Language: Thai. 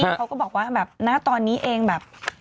เขาก็บอกว่าแบบณตอนนี้เองแบบ